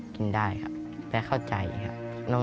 กินได้ค่ะและเข้าใจค่ะ